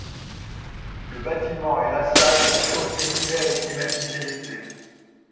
Le bâtiment et la salle sont chauffés l'hiver et climatisés l'été.